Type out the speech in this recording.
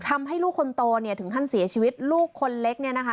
ทำให้ลูกคนโตเนี่ยถึงขั้นเสียชีวิตลูกคนเล็กเนี่ยนะคะ